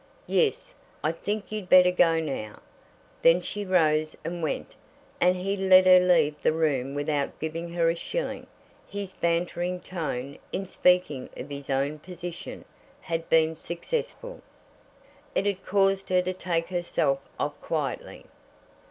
"Yes; I think you'd better go now." Then she rose and went, and he let her leave the room without giving her a shilling! His bantering tone, in speaking of his own position, had been successful. It had caused her to take herself off quietly.